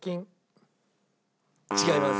違います。